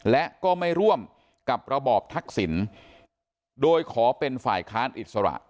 และก็ไม่ร่วมกับระบอบทักษิณโดยขอเป็นฝ่ายค้านอิสระ